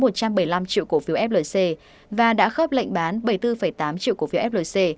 một trăm bảy mươi năm triệu cổ phiếu flc và đã khớp lệnh bán bảy mươi bốn tám triệu cổ phiếu flc